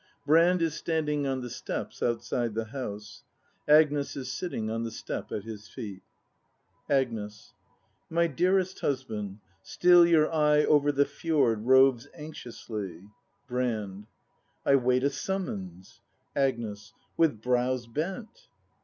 Brand is standing on the steps outside the house. Agnes is sitting on the step at his feet. Agnes. My dearest husband, still your eye Over the fjord roves anxiously — I wait a summons. Brand. Agnes. With brows bent!